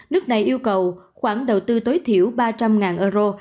nước này yêu cầu khoản đầu tư tối thiểu ba trăm linh euro